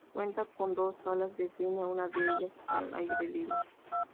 Cuenta con dos salas de cine, una de ellas al aire libre.